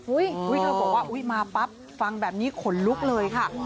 อุ๊ยเขาบอกว่ามาปั๊บฟังแบบนี้ขนลุกเลยค่ะ